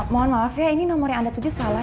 mohon maaf ya ini nomor yang anda tuju salah